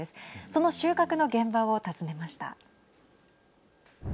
その収穫の現場を訪ねました。